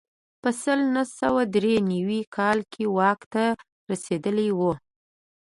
په سل نه سوه درې نوي کال کې واک ته رسېدلی و.